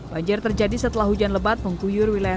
banjir terjadi setelah hujan lebat mengguyur wilayah